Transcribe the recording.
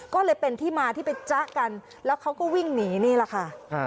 ก็เลยเป็นที่มาที่ไปจ๊ะกันแล้วเขาก็วิ่งหนีนี่แหละค่ะ